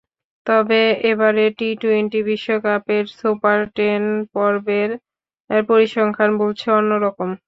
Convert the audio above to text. তবে এবারের টি-টোয়েন্টি বিশ্বকাপের সুপার টেন পর্বের পরিসংখ্যান বলছে অন্য রকম।